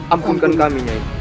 ampunkan kami nyai